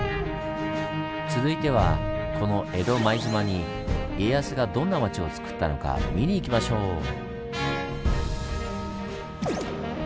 続いてはこの江戸前島に家康がどんな町をつくったのか見に行きましょう！